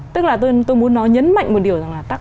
tức là tôi muốn nói nhấn mạnh một điều rằng là